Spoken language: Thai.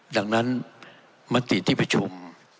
ดังนั้นมติที่ประชุม